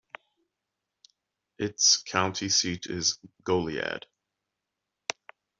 Its county seat is Goliad.